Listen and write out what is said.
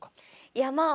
いやまあ